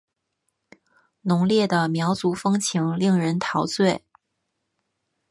浓烈的苗族风情令人陶醉。